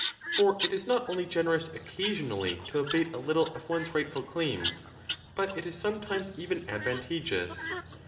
For it is not only generous occasionally to abate a Httle of one's rightful claims, but it is some times even advantageous.